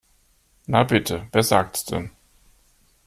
Na bitte, wer sagt's denn?